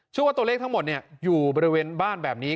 ว่าตัวเลขทั้งหมดอยู่บริเวณบ้านแบบนี้